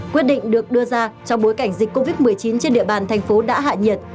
quyết định được đưa ra trong bối cảnh dịch covid một mươi chín trên địa bàn thành phố đã hạ nhiệt